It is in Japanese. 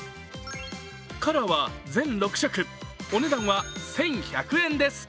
カラーは全６色、お値段は１１００円です。